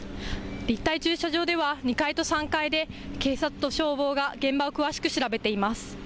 立体駐車場では２階と３階で警察と消防が現場を詳しく調べています。